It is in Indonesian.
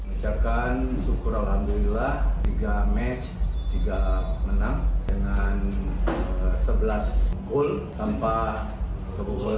menyisakan syukur alhamdulillah tiga match tiga menang dengan sebelas gol